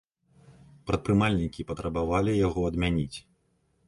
Прадпрымальнікі патрабавалі яго адмяніць.